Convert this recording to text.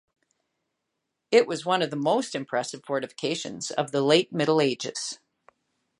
It was one of the most impressive fortifications of the Late Middle Ages.